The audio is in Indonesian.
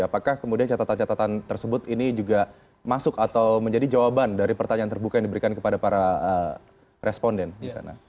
apakah kemudian catatan catatan tersebut ini juga masuk atau menjadi jawaban dari pertanyaan terbuka yang diberikan kepada para responden di sana